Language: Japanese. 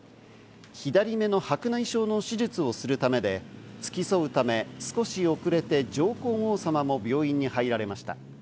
左目の白内障の手術をするためで、付き添うため、少し遅れて上皇后さまも病院に入られました。